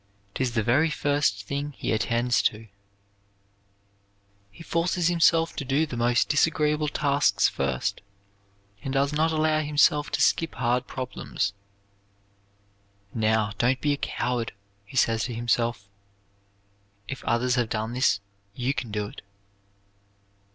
It is the very first thing he attends to. He forces himself to do the most disagreeable tasks first, and does not allow himself to skip hard problems. "Now, don't be a coward," he says to himself. "If others have done this, you can do it."